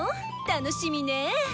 楽しみね。